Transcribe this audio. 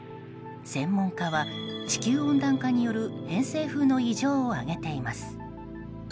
専門家は地球温暖化による偏西風の異常を挙げています。